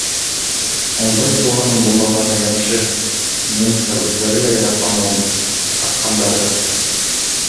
Ундай туғаның булмағаны яҡшы, немецтар үҙҙәре лә яратманы уны, атҡандарҙыр.